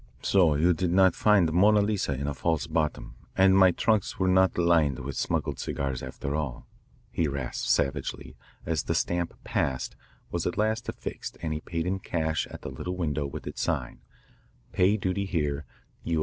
"So you didn't find 'Mona Lisa' in a false bottom, and my trunks were not lined with smuggled cigars after all," he rasped savagely as the stamp "Passed" was at last affixed and he paid in cash at the little window with its sign, "Pay Duty Here: U.